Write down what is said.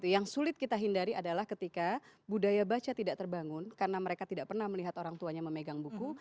yang sulit kita hindari adalah ketika budaya baca tidak terbangun karena mereka tidak pernah melihat orang tuanya memegang buku